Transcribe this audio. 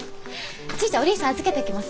ちぃちゃんおりんさんに預けてきますね。